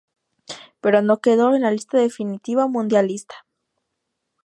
Pero no quedó en la lista definitiva mundialista.